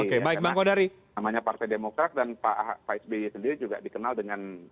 karena namanya partai demokrat dan pak sby sendiri juga dikenal dengan